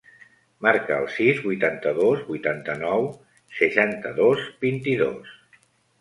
Marca el sis, vuitanta-dos, vuitanta-nou, seixanta-dos, vint-i-dos.